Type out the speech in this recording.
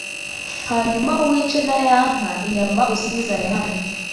Hanyuma wice na ya nka, inyama uzizane hano